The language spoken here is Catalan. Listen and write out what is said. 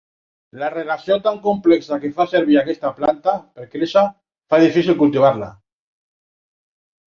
La relació tan complexa que fa servir aquesta planta per créixer fa difícil cultivar-la.